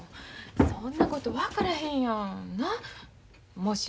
そんなこと分からへんやん。